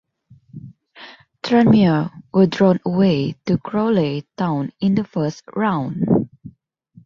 Tranmere were drawn away to Crawley Town in the first round.